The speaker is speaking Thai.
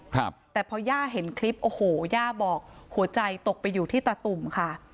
ครับแต่พอย่าเห็นคลิปโอ้โหย่าบอกหัวใจตกไปอยู่ที่ตาตุ่มค่ะ